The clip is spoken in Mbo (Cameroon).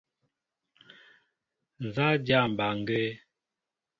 Nzá a dyâ mbaŋgēē?